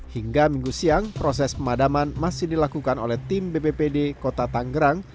hingga minggu siang proses pemadaman masih dilakukan oleh tim bppd kota tanggerang